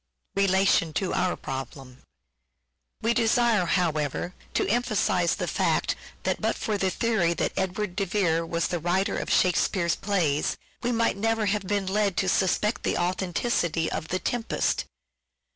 Relation to We desire, however, to emphasize the fact that onr problem. but for the theory that Edward de Vere was the writer of Shakespeare's plays we might never have been led to suspect the authenticity of " The Tempest."